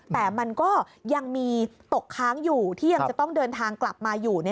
แต่มันก็ยังมีตกค้างอยู่ที่ยังจะต้องเดินทางกลับมาอยู่